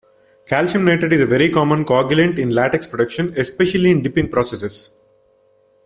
Calcium nitrate is a very common coagulant in latex production, especially in dipping processes.